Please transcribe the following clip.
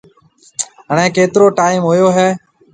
هڻيَ ڪيترو ٽيم هوئي هيَ؟